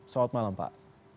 selamat malam pak